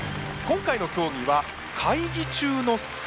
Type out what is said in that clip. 今回の競技は「会議中の睡魔」です。